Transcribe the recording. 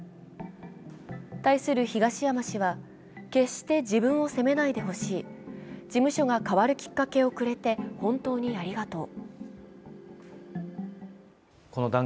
対する東山氏は決して自分を責めないでほしい、事務所が変わるきっかけをくれて本当にありがとう。